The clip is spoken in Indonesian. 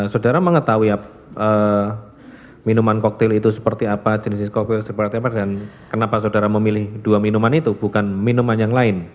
saudara mau ketahui minuman cocktail itu seperti apa jenis cocktail seperti apa dan kenapa saudara memilih dua minuman itu bukan minuman yang lain